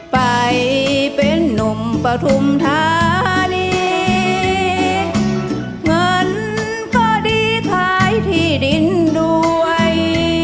ไปเป็นนุ่มปฐุมธานีเงินก็ดีท้ายที่ดินด้วย